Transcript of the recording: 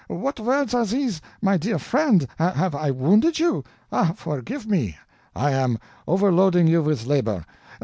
What words are these, my dear friend? Have I wounded you? Ah, forgive me; I am overloading you with labor.